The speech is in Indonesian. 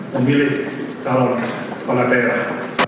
memilih calon kepala daerah